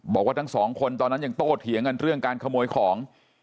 บอกว่าทั้งสองคนตอนนั้นยังโต้เถียงกันเรื่องการขโมยของ